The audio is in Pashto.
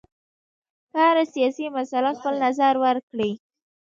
په هره سیاسي مسله خپل نظر ورکړي.